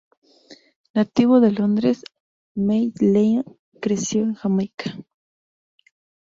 Nativo de Londres, Mad Lion creció en Jamaica.